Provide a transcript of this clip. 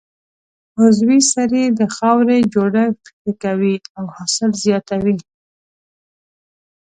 عضوي سرې د خاورې جوړښت ښه کوي او حاصل زیاتوي.